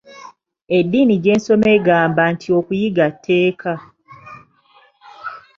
Eddiini gye nsoma egamba nti okuyiga tteeka.